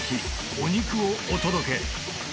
お肉をお届け